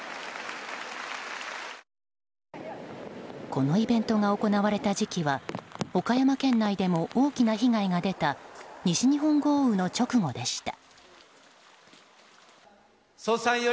このイベントが行われた時期は岡山県内でも大きな被害が出た西日本豪雨の直後でした。